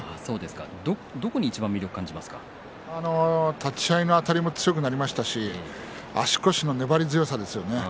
どこに立ち合いのあたりも強くなりましたし足腰の粘り強さですね